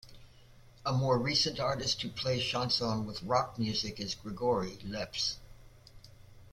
A more recent artist who plays chanson with Rock music is Grigory Leps.